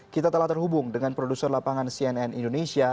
kita telah terhubung dengan produser lapangan cnn indonesia